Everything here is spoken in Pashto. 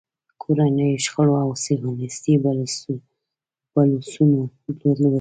کورنیو شخړو او صیهیونېستي بلوسنو لوټلی.